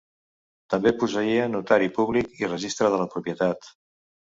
També posseïa notari públic i Registre de la propietat.